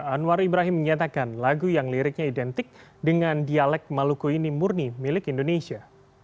anwar ibrahim menyatakan lagu yang liriknya identik dengan dialek maluku ini murni milik indonesia